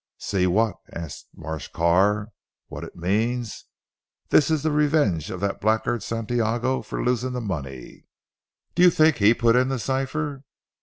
"See what?" asked Marsh Carr. "What it means. This is the revenge of that blackguard Santiago for losing the money." "Do you think he put in the cipher?"